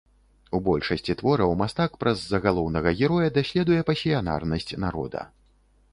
У большасці твораў мастак праз загалоўнага героя даследуе пасіянарнасць народа.